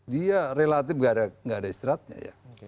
dia relatif nggak ada istirahatnya ya